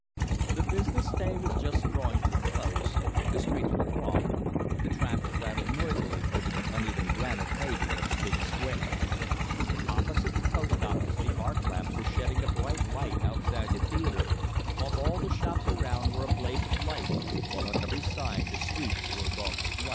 The business day was just drawing to a close, the streets were thronged, the traffic rattled noisily over the uneven granite paving of the big square. Opposite the Post Office the arc lamps were shedding a bright light outside the theatre, while all the shops around were a blaze of light, while on every side the streets were agog with life.